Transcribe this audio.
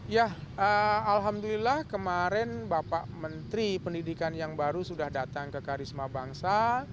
ya alhamdulillah kemarin bapak menteri pendidikan yang baru sudah datang ke karisma bangsa